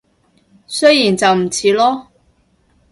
雖然就唔似囉